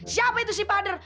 siapa itu si pader